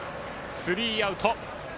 スリーアウト。